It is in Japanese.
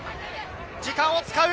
時間を使う。